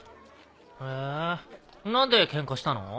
へえ何でケンカしたの？